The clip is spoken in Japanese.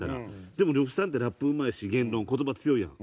でも呂布さんってラップうまいし言論言葉強いやん。